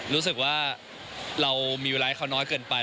รู้สึกว่าเรามีเวลาให้เขาน้อยเกินไป